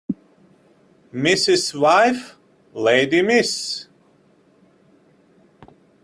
Mrs. wife lady Miss